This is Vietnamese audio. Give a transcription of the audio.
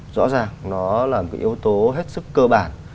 rõ ràng nó là một yếu tố hết sức cơ bản